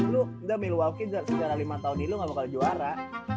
lu udah milwaukee setara lima tahun ini lu ga bakal juara